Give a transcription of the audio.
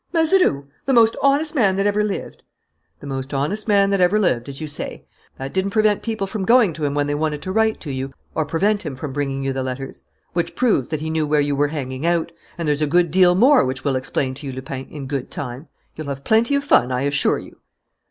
Mazeroux? The most honest man that ever lived!" "The most honest man that ever lived, as you say. That didn't prevent people from going to him when they wanted to write to you or prevent him from bringing you the letters. Which proves that he knew where you were hanging out. And there's a good deal more which we'll explain to you, Lupin, in good time. You'll have plenty of fun, I assure you."